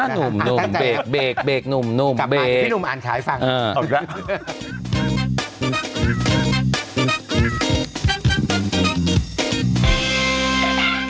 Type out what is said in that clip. หนุ่มหนุ่มเบรกเบรกเบรกหนุ่มหนุ่มเบรกอ่ะออกแล้ว